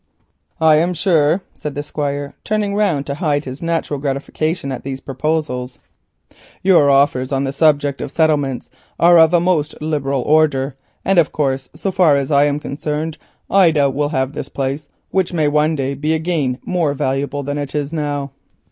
"I am sure," said the Squire, turning round to hide his natural gratification at these proposals, "your offers on the subject of settlements are of a most liberal order, and of course so far as I am concerned, Ida will have this place, which may one day be again more valuable than it is now."